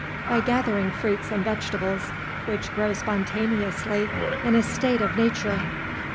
By gathering fruits and vegetables which grow spontaneously in a state of nature.